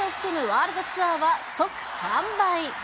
ワールドツアーは即完売。